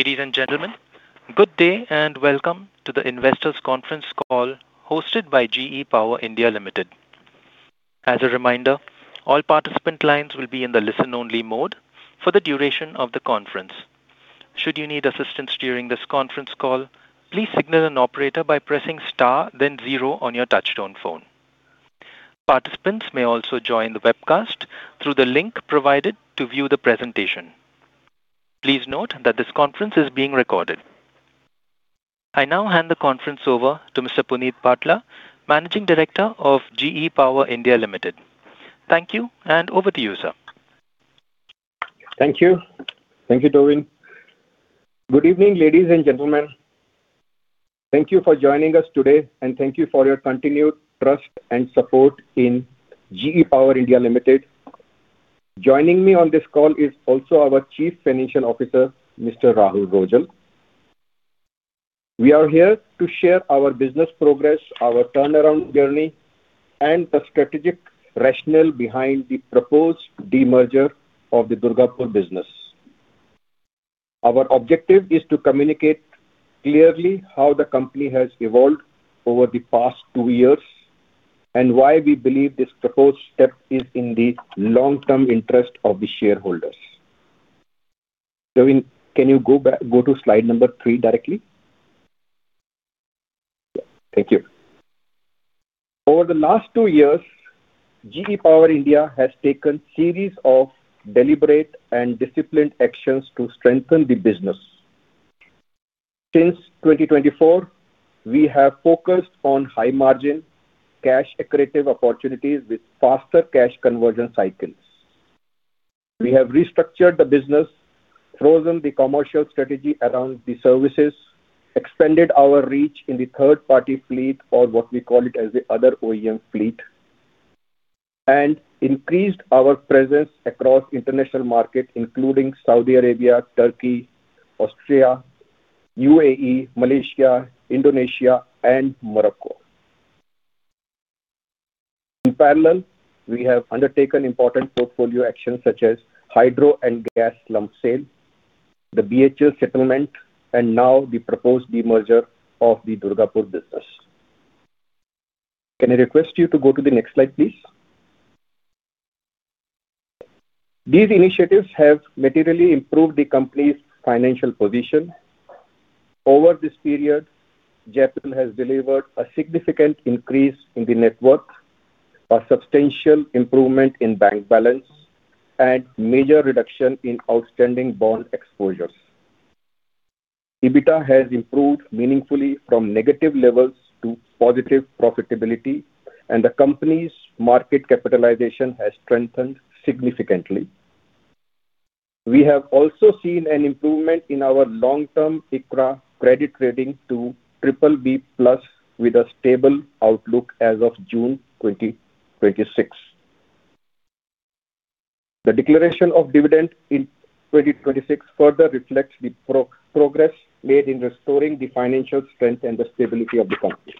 Ladies and gentlemen, good day and welcome to the Investors Conference Call hosted by GE Power India Limited. As a reminder, all participant lines will be in the listen-only mode for the duration of the conference. Should you need assistance during this conference call, please signal an operator by pressing star then zero on your touchtone phone. Participants may also join the webcast through the link provided to view the presentation. Please note that this conference is being recorded. I now hand the conference over to Mr. Puneet Bhatla, Managing Director of GE Power India Limited. Thank you, and over to you, sir. Thank you. Thank you, Devin. Good evening, ladies and gentlemen. Thank you for joining us today. Thank you for your continued trust and support in GE Power India Limited. Joining me on this call is also our Chief Financial Officer, Mr. Rahul Rojal. We are here to share our business progress, our turnaround journey, and the strategic rationale behind the proposed demerger of the Durgapur business. Our objective is to communicate clearly how the company has evolved over the past two years, and why we believe this proposed step is in the long-term interest of the shareholders. Devin, can you go to slide number three directly? Thank you. Over the last two years, GE Power India has taken series of deliberate and disciplined actions to strengthen the business. Since 2024, we have focused on high margin, cash accretive opportunities with faster cash conversion cycles. We have restructured the business, frozen the commercial strategy around the services, expanded our reach in the third-party fleet or what we call it as the other OEM fleet, increased our presence across international markets, including Saudi Arabia, Turkey, Australia, UAE, Malaysia, Indonesia, and Morocco. In parallel, we have undertaken important portfolio actions such as hydro and gas slump sale, the BHEL settlement, now the proposed demerger of the Durgapur business. Can I request you to go to the next slide, please? These initiatives have materially improved the company's financial position. Over this period, GEPIL has delivered a significant increase in the net worth, a substantial improvement in bank balance, major reduction in outstanding bond exposures. EBITDA has improved meaningfully from negative levels to positive profitability, the company's market capitalization has strengthened significantly. We have also seen an improvement in our long-term ICRA credit rating to BBB+ with a stable outlook as of June 2026. The declaration of dividend in 2026 further reflects the progress made in restoring the financial strength and the stability of the company.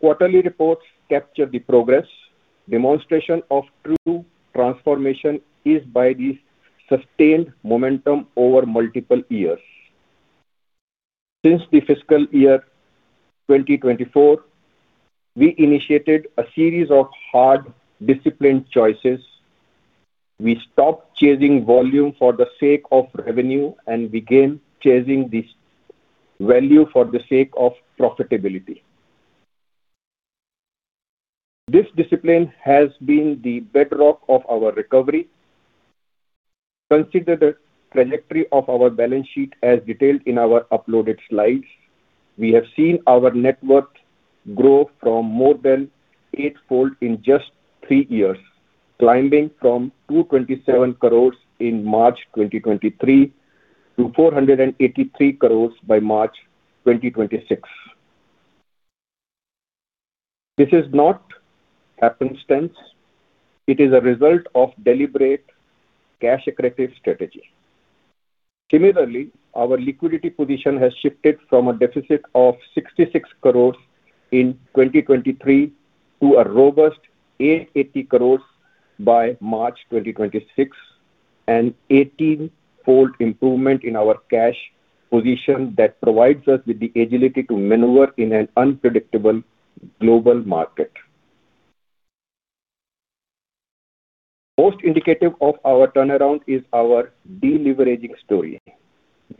Quarterly reports capture the progress, demonstration of true transformation is by the sustained momentum over multiple years. Since the fiscal year 2024, we initiated a series of hard, disciplined choices. We stopped chasing volume for the sake of revenue and began chasing this value for the sake of profitability. This discipline has been the bedrock of our recovery. Consider the trajectory of our balance sheet as detailed in our uploaded slides. We have seen our net worth grow from more than eight-fold in just three years, climbing from 227 crore in March 2023 to 483 crore by March 2026. This is not happenstance. It is a result of deliberate cash accretive strategy. Similarly, our liquidity position has shifted from a deficit of 66 crores in 2023 to a robust 880 crores by March 2026. An 18-fold improvement in our cash position that provides us with the agility to maneuver in an unpredictable global market. Most indicative of our turnaround is our deleveraging story.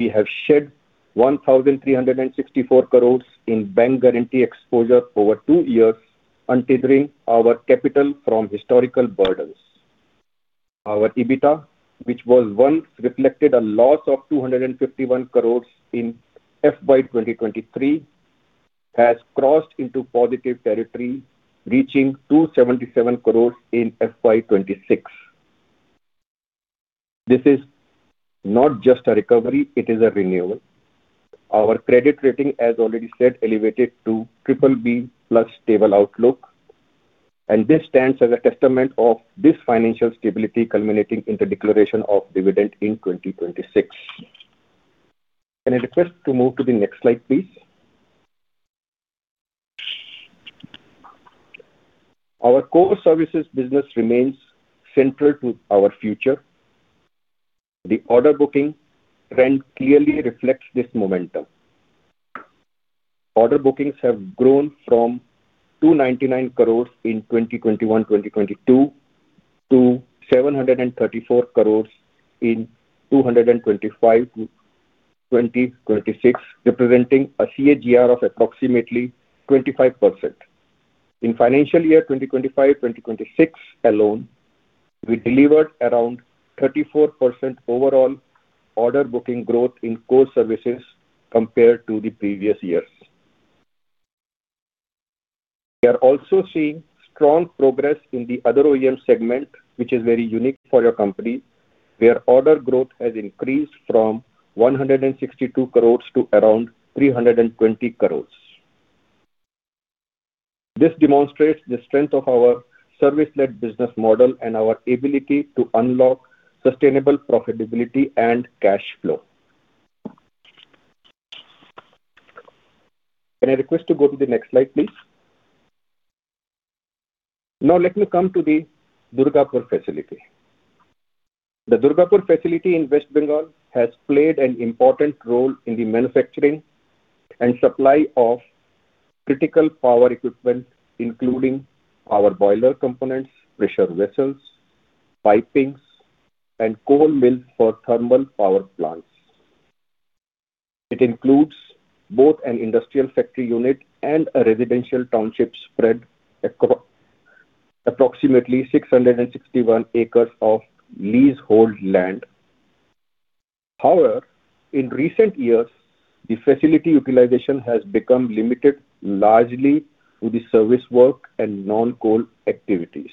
We have shed 1,364 crores in bank guarantee exposure over two years, untethering our capital from historical burdens. Our EBITDA, which was once reflected a loss of 251 crores in FY 2023, has crossed into positive territory, reaching 277 crores in FY 2026. This is not just a recovery, it is a renewal. Our credit rating, as already said, elevated to BBB+ stable outlook, and this stands as a testament of this financial stability culminating in the declaration of dividend in 2026. Can I request to move to the next slide, please? Our core services business remains central to our future. The order booking trend clearly reflects this momentum. Order bookings have grown from 299 crores in 2021-2022 to 734 crores in 2025-2026, representing a CAGR of approximately 25%. In FY 2025-2026 alone, we delivered around 34% overall order booking growth in core services compared to the previous years. We are also seeing strong progress in the other OEM segment, which is very unique for your company, where order growth has increased from 162 crores to around 320 crores. This demonstrates the strength of our service-led business model and our ability to unlock sustainable profitability and cash flow. Can I request to go to the next slide, please? Now let me come to the Durgapur facility. The Durgapur facility in West Bengal has played an important role in the manufacturing and supply of critical power equipment, including power boiler components, pressure vessels, pipings, and coal mill for thermal power plants. It includes both an industrial factory unit and a residential township spread across approximately 661 acres of leasehold land. However, in recent years, the facility utilization has become limited largely to the service work and non-coal activities.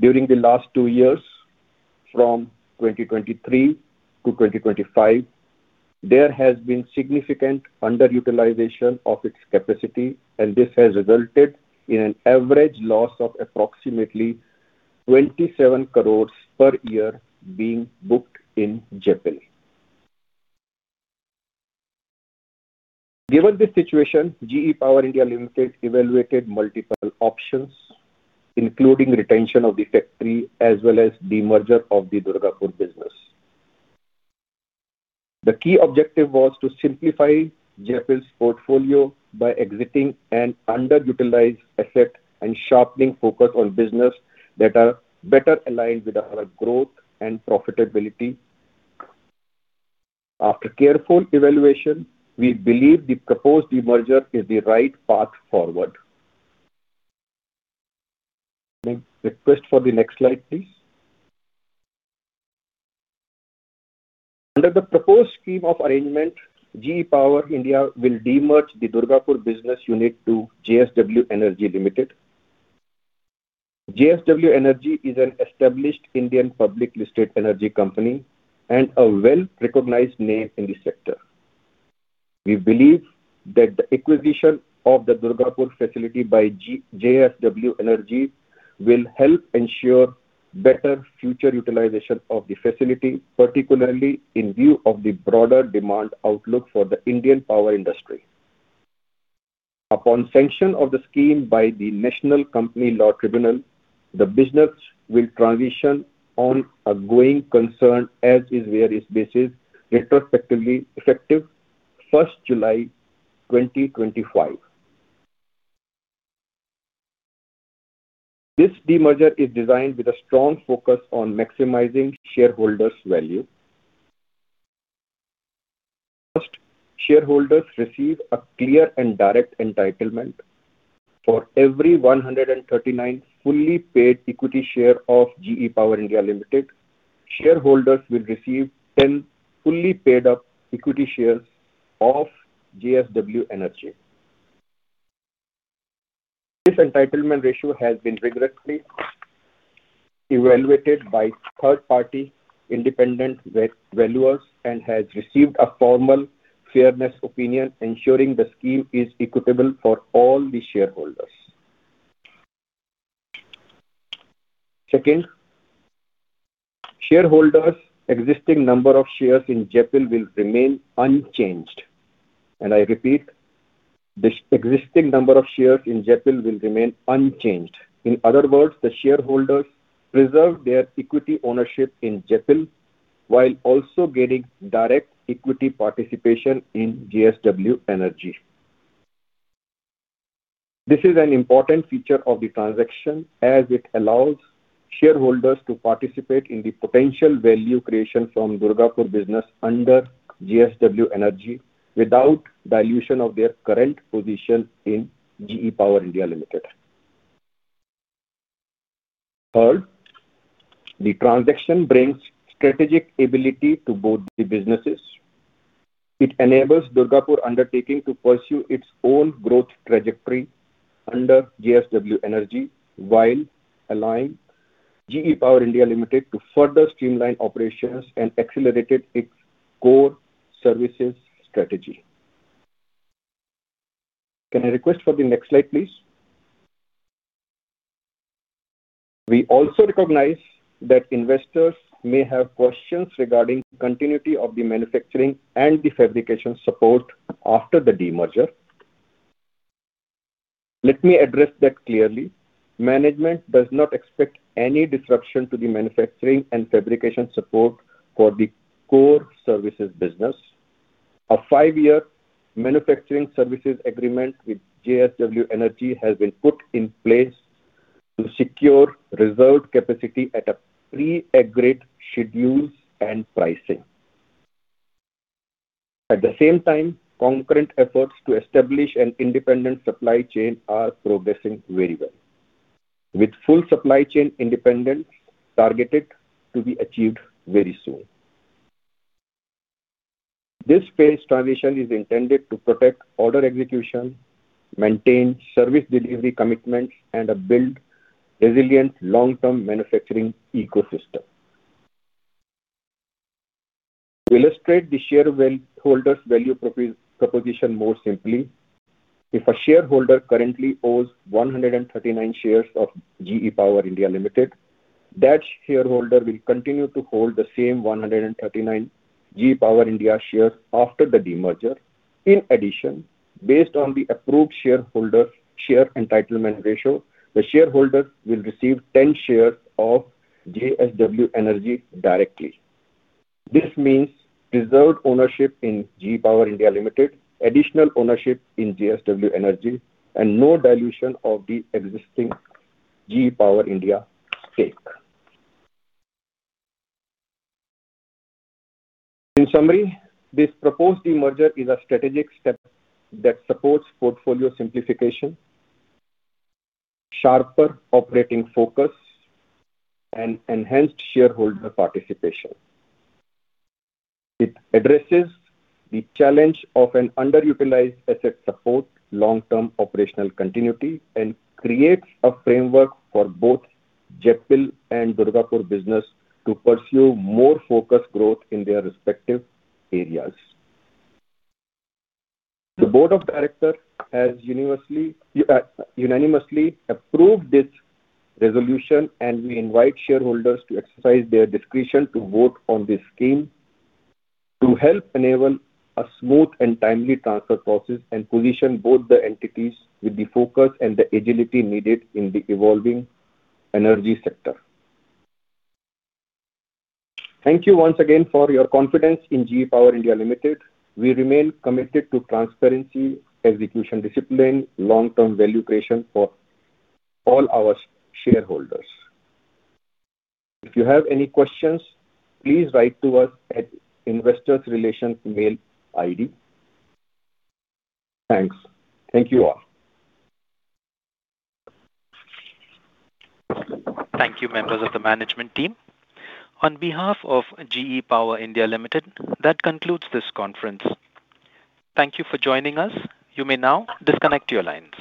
During the last two years, from 2023 to 2025, there has been significant underutilization of its capacity, and this has resulted in an average loss of approximately INR 27 crores per year being booked in GE Power. Given the situation, GE Power India Limited evaluated multiple options, including retention of the factory as well as demerger of the Durgapur business. The key objective was to simplify GEP's portfolio by exiting an underutilized asset and sharpening focus on business that are better aligned with our growth and profitability. After careful evaluation, we believe the proposed demerger is the right path forward. May I request for the next slide, please. Under the proposed scheme of arrangement, GE Power India will demerge the Durgapur business unit to JSW Energy Limited. JSW Energy is an established Indian public listed energy company and a well-recognized name in the sector. We believe that the acquisition of the Durgapur facility by JSW Energy will help ensure better future utilization of the facility, particularly in view of the broader demand outlook for the Indian power industry. Upon sanction of the scheme by the National Company Law Tribunal, the business will transition on a going concern as is where is basis, retrospectively effective first July 2025. This demerger is designed with a strong focus on maximizing shareholders' value. First, shareholders receive a clear and direct entitlement. For every 139 fully paid equity share of GE Power India Limited, shareholders will receive 10 fully paid-up equity shares of JSW Energy. This entitlement ratio has been rigorously evaluated by third-party independent valuers and has received a formal fairness opinion, ensuring the scheme is equitable for all the shareholders. Second, shareholders' existing number of shares in GEPIL will remain unchanged, and I repeat, the existing number of shares in GEPIL will remain unchanged. In other words, the shareholders preserve their equity ownership in GEPIL, while also getting direct equity participation in JSW Energy. This is an important feature of the transaction, as it allows shareholders to participate in the potential value creation from Durgapur business under JSW Energy without dilution of their current position in GE Power India Limited. Third, the transaction brings strategic ability to both the businesses. It enables Durgapur undertaking to pursue its own growth trajectory under JSW Energy while allowing GE Power India Limited to further streamline operations and accelerated its core services strategy. Can I request for the next slide, please? We also recognize that investors may have questions regarding continuity of the manufacturing and the fabrication support after the demerger. Let me address that clearly. Management does not expect any disruption to the manufacturing and fabrication support for the core services business. A five-year manufacturing services agreement with JSW Energy has been put in place to secure reserved capacity at a pre-agreed schedules and pricing. At the same time, concurrent efforts to establish an independent supply chain are progressing very well. With full supply chain independent targeted to be achieved very soon. This phase transition is intended to protect order execution, maintain service delivery commitment and a build resilient long term manufacturing eco system. Illustrate the shareholders value proposition more simply. If a shareholder currently owes 139 shares of GE Power India Limited, that shareholder will continue to hold the same 139 GE Power India shares after the demerger. In addition, based on the approve shareholder, share entitlement ratio, the shareholder will receive 10 shares of JSW Energy directly. This means, reserved ownership in GE Power India Limited, additional ownership in JSW Energy, and no dilution of the existing GE Power India stake. In summary, this proposed demerger is a strategic step that supports portfolio simplification, sharper operating focus, and enhanced shareholder participation. It addresses the challenge of an underutilized asset, support long-term operational continuity, and creates a framework for both GEPIL and Durgapur business to pursue more focused growth in their respective areas. The Board of Director has unanimously approved this resolution, and we invite shareholders to exercise their discretion to vote on this scheme to help enable a smooth and timely transfer process and position both the entities with the focus and the agility needed in the evolving energy sector. Thank you once again for your confidence in GE Power India Limited. We remain committed to transparency, execution discipline, long-term value creation for all our shareholders. If you have any questions, please write to us at investors relations mail ID. Thanks. Thank you all. Thank you, members of the management team. On behalf of GE Power India Limited, that concludes this conference. Thank you for joining us. You may now disconnect your lines.